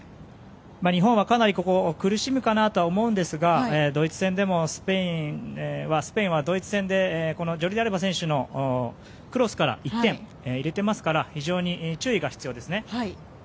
日本はかなり、ここで苦しむかなとは思うんですがスペインはドイツ戦でこのジョルディ・アルバ選手のクロスから１点入れていますから非常に注意が必要ですね。